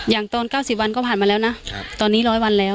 อย่างตอนเก้าสิบวันก็ผ่านมาแล้วนะตอนนี้ร้อยวันแล้ว